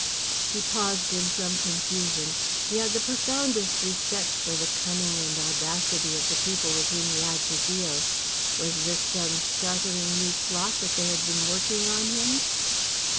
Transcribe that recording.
He paused in some confusion. He had the profoundest respect for the cunning and audacity of the people with whom he had to deal. Was this some startling new plot that they had been working on him?